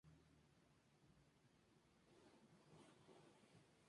El museo tiene una rica colección de museos y cuatro exposiciones permanentes.